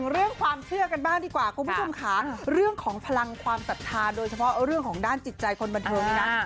เรื่องความเชื่อกันบ้างดีกว่าคุณผู้ชมค่ะเรื่องของพลังความศรัทธาโดยเฉพาะเรื่องของด้านจิตใจคนบันเทิงนี้นะ